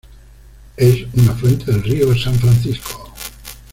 Es un afluente del Río San Francisco.